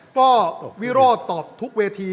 ก็วิโรธตอบทุกเวที